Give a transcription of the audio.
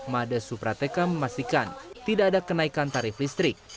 made suprateka memastikan tidak ada kenaikan tarif listrik